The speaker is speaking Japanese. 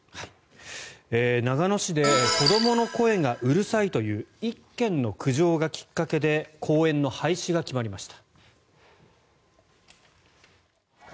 長野市で子どもの声がうるさいという１軒の苦情がきっかけで公園の廃止が決まりました。